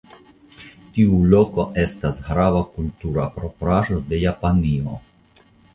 Tiu loko estas grava kultura propraĵo de Japanio.